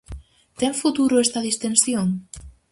Ten futuro esta distensión?